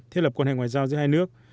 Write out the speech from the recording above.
thiết lập quan hệ ngoại giao giữa hai nước